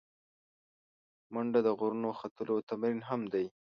منډه د غرونو ختلو تمرین هم دی